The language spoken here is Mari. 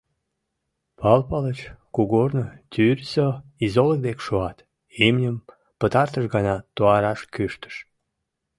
Пал Палыч кугорно тӱрысӧ изолык дек шуат, имньым пытартыш гана туараш кӱштыш.